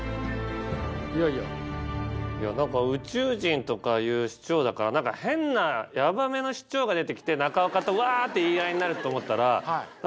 宇宙人とか言う市長だから変なヤバめの市長が出てきて中岡とわって言い合いになるって思ったら。